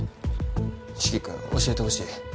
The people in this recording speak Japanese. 四鬼君教えてほしい。